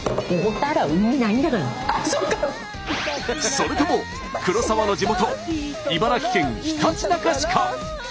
それとも黒沢の地元茨城県ひたちなか市か？